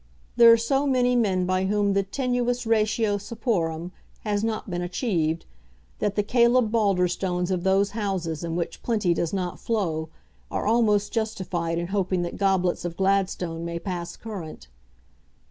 There are so many men by whom the tenuis ratio saporum has not been achieved, that the Caleb Balderstones of those houses in which plenty does not flow are almost justified in hoping that goblets of Gladstone may pass current.